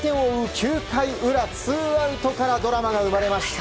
９回裏ツーアウトからドラマが生まれました。